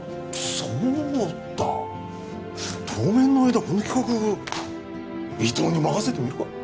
そうだ当面の間この企画伊藤に任せてみるか？